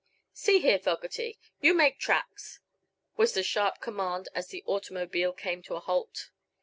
"See here, Fogerty; you make tracks!" was the sharp command, as the automobile came to a halt.